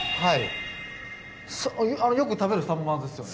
あのよく食べるサンマですよね。